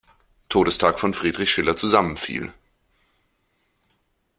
Todestag von Friedrich Schiller zusammenfiel.